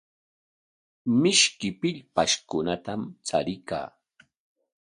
Mishiyki pillpashkunatam chariykan.